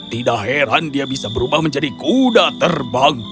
tidak heran dia bisa berubah menjadi kuda terbang